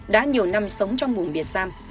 đã nhiều năm sống trong vùng việt sam